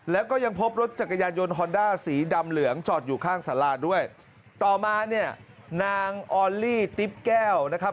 แล้วก็ยังพบรถจักรยานยนต์ฮอนด้าสีดำเหลืองจอดอยู่ข้างสาราด้วยต่อมาเนี่ยนางออลลี่ติ๊บแก้วนะครับ